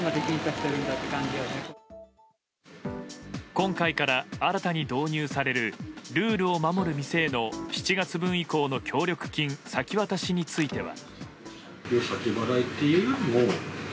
今回から新たに導入されるルールを守る店への７月分以降の協力金先渡しについては。